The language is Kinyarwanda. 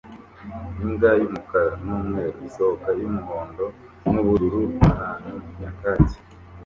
Imbwa yumukara numweru isohoka yumuhondo nubururu ahantu nyakatsi